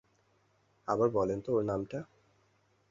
আবার বলেনতো ওর নামটা?